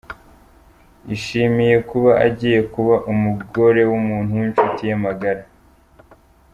Yishimiye kuba agiye kuba umugore w'umuntu w'inshuti ye magara.